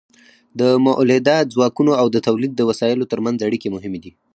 د مؤلده ځواکونو او د تولید د وسایلو ترمنځ اړیکې مهمې دي.